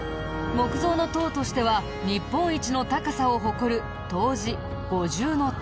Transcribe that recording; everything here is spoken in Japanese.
木造の塔としては日本一の高さを誇る東寺五重塔。